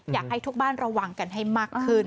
อยากให้ทุกบ้านระวังกันให้มากขึ้น